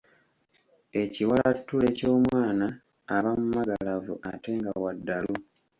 Ekiwalattule ky'omwana aba mumagalavu ate nga wa ddalu.